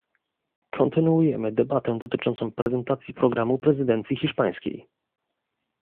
Kontynuujemy debatę dotyczącą prezentacji programu prezydencji hiszpańskiej